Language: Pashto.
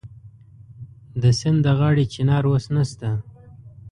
د سیند د غاړې چنار اوس نشته